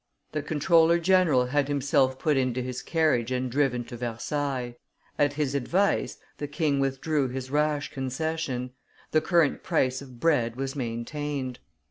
The comptroller general had himself put into his carriage and driven to Versailles: at his advice the king withdrew his rash concession; the current price of bread was maintained.